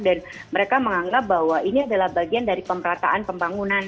dan mereka menganggap bahwa ini adalah bagian dari pemerataan pembangunan